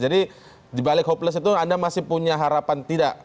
jadi di balik hopeless itu anda masih punya harapan tidak